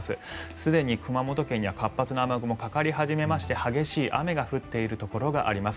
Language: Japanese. すでに熊本県には活発な雨雲がかかり始めて激しい雨が降っているところがあります。